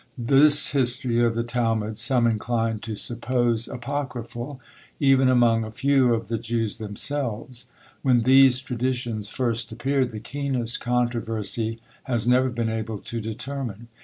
This history of the Talmud some inclined to suppose apocryphal, even among a few of the Jews themselves. When these traditions first appeared, the keenest controversy has never been able to determine.